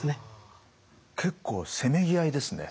結構せめぎ合いですね。